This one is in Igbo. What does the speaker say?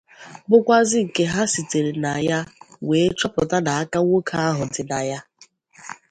bụkwazị nke ha sitere na ya wee chọpụta na aka nwoke ahụ dị na ya.